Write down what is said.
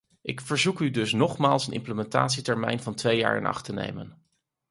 Ik verzoek u dus nogmaals een implementatietermijn van twee jaar in acht te nemen.